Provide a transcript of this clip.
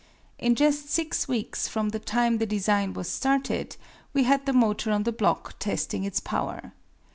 In just six weeks from the time the design was started, we had the motor on the block testing its power.